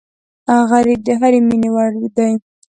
غریب د هرې مینې وړ دی